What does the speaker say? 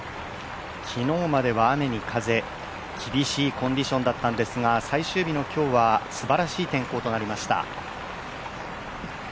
昨日までは雨に風、厳しいコンディションだったんですが最終日の今日はすばらしい天候となりました。